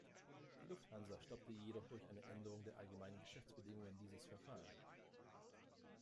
Die Lufthansa stoppte jedoch durch eine Änderung der Allgemeinen Geschäftsbedingungen dieses Verfahren.